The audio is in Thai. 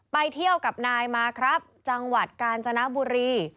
ไปเที่ยวกับนายมาครับจังหวัดกาญจนบุรี